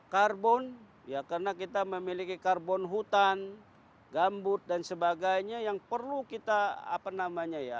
karbon ya karena kita memiliki karbon hutan gambut dan sebagainya yang perlu kita apa namanya ya